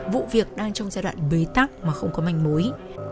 vụ việc đang trong giai đoạn bế tắc mà không có manh mối